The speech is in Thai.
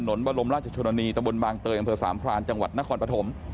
บรมราชชนนีตะบนบางเตยอำเภอสามพรานจังหวัดนครปฐม